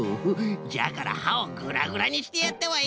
じゃからはをグラグラにしてやったわい。